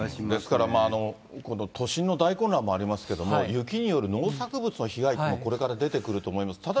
ですからこの都心の大混乱っていうのもありますけど、雪による農作物の被害というのもこれから出てくると思います。